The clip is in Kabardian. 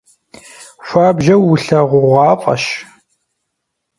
Хуабжьу улъэгъугъуафӏэщ.